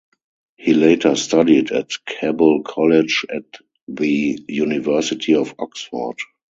He later studied at Keble College at the University of Oxford.